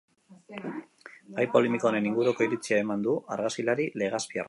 Gai polemiko honen inguruko iritzia eman du argazkilari legazpiarrak.